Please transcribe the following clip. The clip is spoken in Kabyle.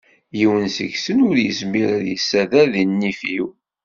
Yiwen seg-sen ur yezmir ad yesader deg nnif-iw.